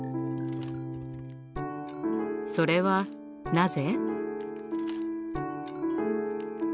それはなぜ？